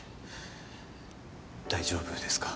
大丈夫ですか？